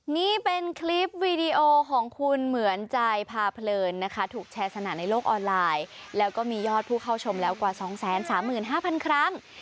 นี่เป็นคลิปวีดีโอของคุณเหมือนใจพาเพลินนะคะถูกแชร์สนานในโลกออนไลน์แล้วก็มียอดผู้เข้าชมแล้วกว่า๒๓๕๐๐๐ครั้ง